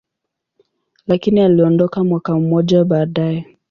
lakini aliondoka mwaka mmoja baadaye.